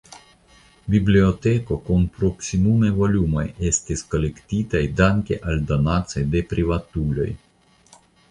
Biblioteko kun proksimume volumoj estis kolektitaj danke al donacoj de privatuloj.